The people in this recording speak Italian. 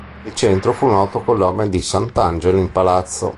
Il centro fu noto col nome di "Sant'Angelo in Palazzo".